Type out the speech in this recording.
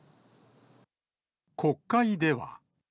国会では。